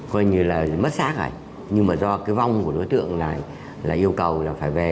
coi như là mất sát rồi nhưng mà do cái vong của đối tượng là yêu cầu là phải về